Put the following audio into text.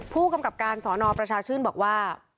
ผู้กำกับการสอนอประชาชื่นบอกว่า